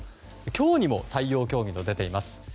今日にも対応協議と出ています。